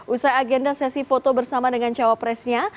usai agenda sesi foto bersama dengan cawapresnya